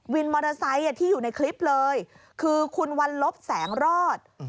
มอเตอร์ไซค์ที่อยู่ในคลิปเลยคือคุณวันลบแสงรอด